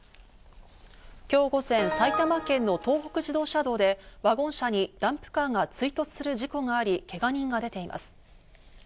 今日午前、埼玉県の東北自動車道でワゴン車にダンプカーが追突する事故があり、けが人が出ています。